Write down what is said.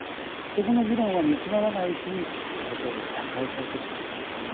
そこの議論が煮詰まらないうちに安倍総理が他界されてしまったわけです。